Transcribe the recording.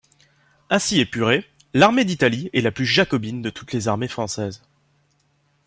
Ainsi épurée, l’armée d’Italie est la plus jacobine de toutes les armées françaises.